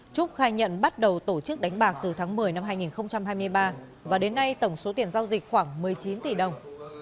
trúc khai nhận bắt đầu tổ chức đánh bạc từ tháng một mươi năm hai nghìn hai mươi ba và đến nay tổng số tiền giao dịch khoảng một mươi chín tỷ đồng